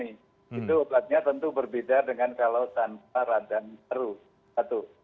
itu obatnya tentu berbeda dengan kalau tanpa radang baru satu